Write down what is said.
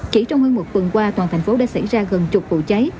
chỉ trong hơn một tuần qua toàn thành phố đã xảy ra gần chục vụ cháy